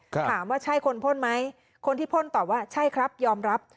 ถามว่าใช่คนพ่นไหมคนที่พ่นตอบว่าใช่ครับยอมรับ